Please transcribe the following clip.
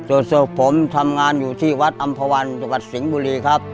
ส่วนศพผมทำงานอยู่ที่วัดอำภาวันจังหวัดสิงห์บุรีครับ